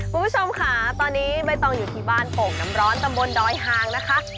คุณผู้ชมค่ะตอนนี้ใบตองอยู่ที่บ้านโป่งน้ำร้อนตำบลดอยหางนะคะ